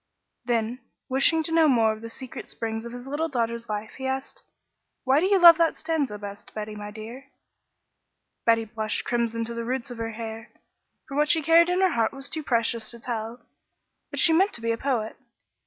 Then, wishing to know more of the secret springs of his little daughter's life, he asked: "Why do you love that stanza best, Betty, my dear?" Betty blushed crimson to the roots of her hair, for what she carried in her heart was too precious to tell, but she meant to be a poet.